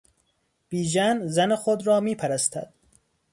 بیژن زن خود را میپرستد.